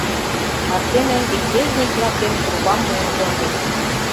Кастене ликбезник-влакем трубам муын кондышт.